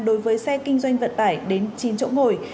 đối với xe kinh doanh vận tải đến chín chỗ ngồi